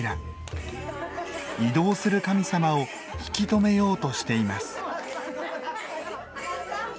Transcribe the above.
移動する神様を引き止めようとしています。